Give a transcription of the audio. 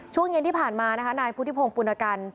ช่วงเย็นที่ผ่านมานะคะนายพุทธิพงศ์ปุณกัน